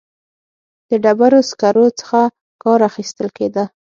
د ډبرو سکرو څخه کار اخیستل کېده.